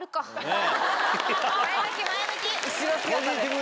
前向き前向き！